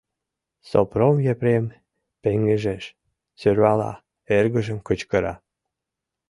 Сопром Епрем пеҥыжеш, сӧрвала, эргыжым кычкыра: